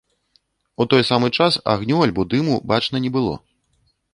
У той самы час агню, альбо дыму бачна не было.